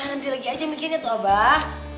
nanti lagi aja mikirnya tuh abah